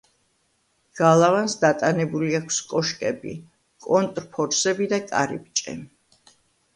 გალავანს დატანებული აქვს კოშკები, კონტრფორსები და კარიბჭე.